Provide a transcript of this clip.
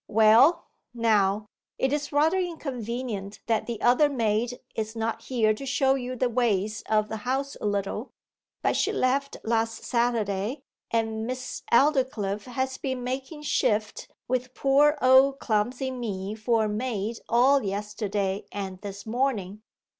Well, now, it is rather inconvenient that the other maid is not here to show you the ways of the house a little, but she left last Saturday, and Miss Aldclyffe has been making shift with poor old clumsy me for a maid all yesterday and this morning.